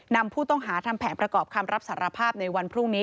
นำผู้ต้องหาทำแผนประกอบคำรับสารภาพในวันพรุ่งนี้